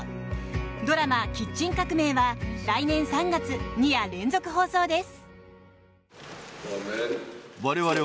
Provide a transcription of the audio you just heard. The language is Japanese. ドラマ「キッチン革命」は来年３月、２夜連続放送です。